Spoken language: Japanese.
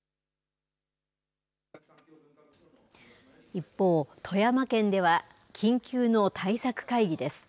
一方、富山県では緊急の対策会議です。